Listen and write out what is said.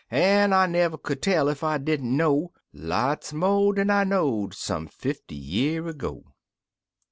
An' I never could tell ef I didn't know Lots mo' dan I know'd some fifty year ago.